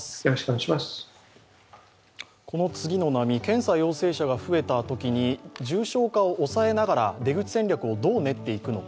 この次の波、検査陽性者が増えたときに重症化を抑えながら、出口戦略をどう練っていくのか。